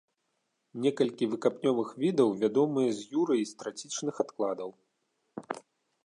Некалькі выкапнёвых відаў вядомыя з юры і з трацічных адкладаў.